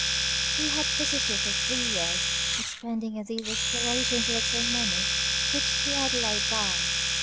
He had persisted for three years, expending in these explorations the little money which he had laid by.